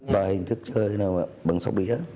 bài hình thức chơi bằng sông bỉa